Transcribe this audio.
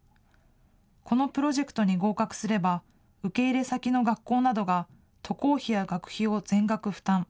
このプロジェクトに合格すれば受け入れ先の学校などが渡航費や学費を全額負担。